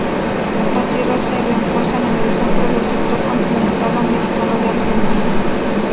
Las sierras se emplazan en el centro del sector continental americano de Argentina.